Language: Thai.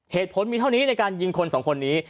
เหตุผลมีเท่านี้ในการยิงคนสองคนนี้